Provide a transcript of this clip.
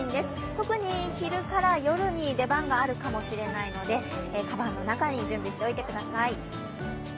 特に昼から夜に出番があるかもしれないのでかばんの中に準備しておいてください。